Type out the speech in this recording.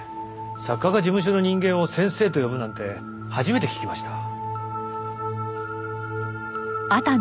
作家が事務所の人間を先生と呼ぶなんて初めて聞きました。